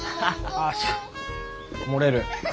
あ漏れる。